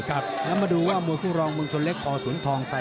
แล้วมาดูว่ามวยคู่รองเมืองชนเล็กพอสวนทองใส่